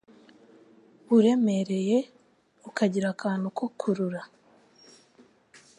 uremereye, ukagira akantu ko kurura,